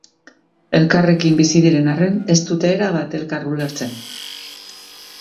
Elkarrekin bizi diren arren, ez dute erabat elkar ulertzen.